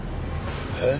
えっ！？